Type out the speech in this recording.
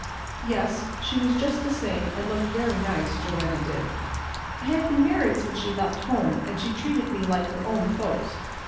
"Yes, she was just the same, and looked very nice, Joanna did. I had been married since she left home, an' she treated me like her own folks.